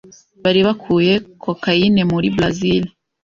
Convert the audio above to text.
bari bakuye Cocaine muri Brazil